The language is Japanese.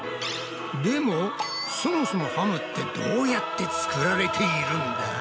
でもそもそもハムってどうやって作られているんだ？